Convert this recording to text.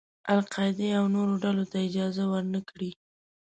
القاعدې او نورو ډلو ته اجازه ور نه کړي.